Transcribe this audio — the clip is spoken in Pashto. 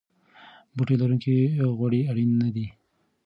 بوټي لرونکي غوړي اړین نه دي.